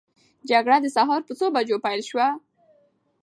جګړه د سهار په څو بجو پیل سوه؟